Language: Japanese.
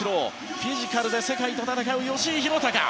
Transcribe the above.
フィジカルで世界と戦う吉井裕鷹。